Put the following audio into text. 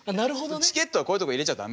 チケットはこういうとこ入れちゃ駄目。